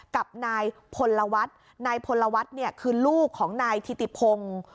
กับนายพลวัฒน์นายพลวัฒน์เนี่ยคือลูกของนายธิติพงศ์